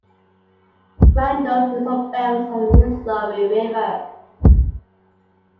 Randolph is on the banks of the Missouri River.